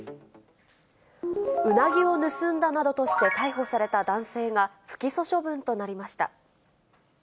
うなぎを盗んだなどとして逮捕された男性が、不起訴処分となりました。